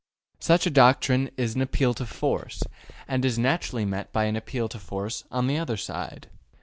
Such a doctrine is an appeal to force, and is naturally met by an appeal to force on the other side.